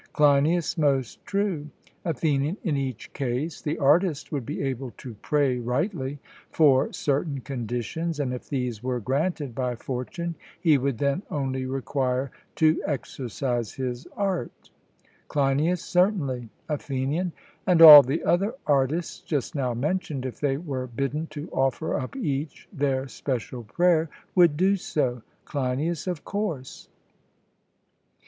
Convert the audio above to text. CLEINIAS: Most true. ATHENIAN: In each case the artist would be able to pray rightly for certain conditions, and if these were granted by fortune, he would then only require to exercise his art? CLEINIAS: Certainly. ATHENIAN: And all the other artists just now mentioned, if they were bidden to offer up each their special prayer, would do so? CLEINIAS: Of course.